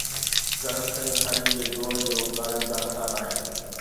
Corruption اڄ جي دور جو غالب داستان آهي.